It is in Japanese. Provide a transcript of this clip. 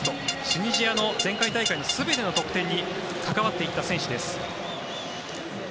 チュニジアの前回大会の全ての得点に関わっていった選手です。